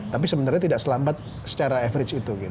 tapi sebenarnya tidak selambat secara average itu